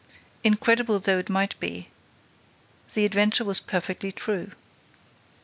Incredible though it might be, the adventure was perfectly true.